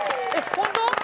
本当？